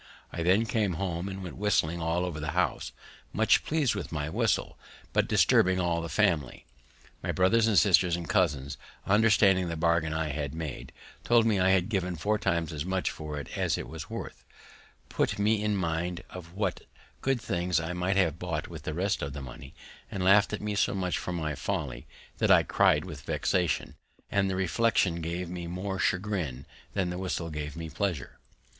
I then came home, and went whistling all over the house, much pleased with my whistle, but disturbing all the family. My brothers, and sisters, and cousins, understanding the bargain I had made, told me I had given four times as much for it as it was worth; put me in mind what good things I might have bought with the rest of the money; and laughed at me so much for my folly, that I cried with vexation; and the reflection gave me more chagrin than the whistle gave me pleasure.